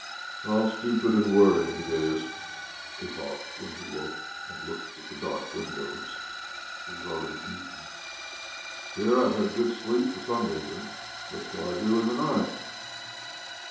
"How stupid and worrying it is!" he thought when he woke and looked at the dark windows: it was already evening. "Here I've had a good sleep for some reason. What shall I do in the night?"